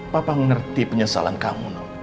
papa mengerti penyesalan kamu noh